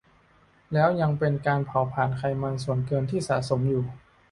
แล้วยังเป็นการเผาผลาญไขมันส่วนเกินที่สะสมอยู่